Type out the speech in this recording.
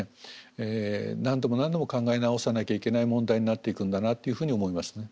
何度も何度も考え直さなきゃいけない問題になっていくんだなというふうに思いますね。